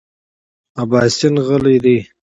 اباسین غلی دی .